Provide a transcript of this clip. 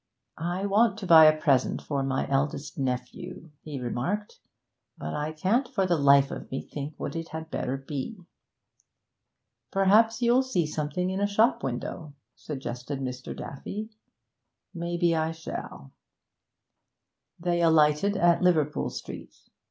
'I want to buy a present for my eldest nephew,' he remarked, 'but I can't for the life of me think what it had better be.' 'Perhaps you'll see something in a shop window,' suggested Mr. Daffy. 'Maybe I shall.' They alighted at Liverpool Street.